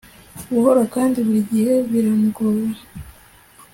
buhoro kandi burigihe biramugora